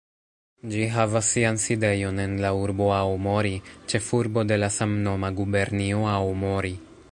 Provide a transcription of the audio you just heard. Ĝi havas sian sidejon en la urbo Aomori, ĉefurbo de la samnoma gubernio Aomori.